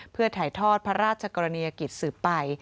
เพื่อถ่ายทอดพระราชกรณียกิจสืบไป